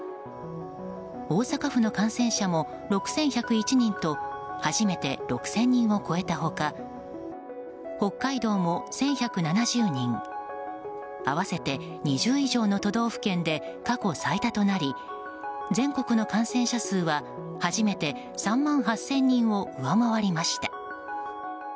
大阪府の感染者も６１０１人と初めて６０００人を超えた他北海道も１１７０人合わせて２０以上の都道府県で過去最多となり全国の感染者数は初めて３万８０００人を上回りました。